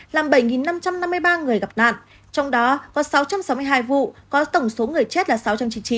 làm bảy năm trăm năm mươi ba người gặp nạn trong đó có sáu trăm sáu mươi hai vụ có tổng số người chết là sáu trăm chín mươi chín người